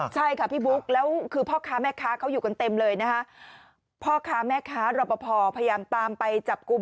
ใช่ค่ะพี่บุ๊คแล้วคือพ่อค้าแม่ค้าเขาอยู่กันเต็มเลยนะคะพ่อค้าแม่ค้ารอปภพยายามตามไปจับกลุ่ม